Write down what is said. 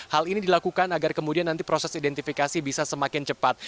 hal ini dilakukan agar kemudian nanti proses identifikasi bisa semakin cepat